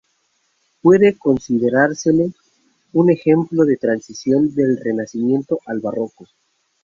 Puede considerársele un ejemplo de transición del renacimiento al barroco.